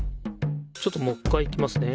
ちょっともう一回いきますね。